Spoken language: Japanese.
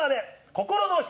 「心の光」。